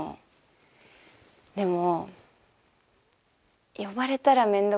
でも。